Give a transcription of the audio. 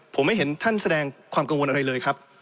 ผมไม่เห็นท่านแสดงความกังวลอะไรเลยครับ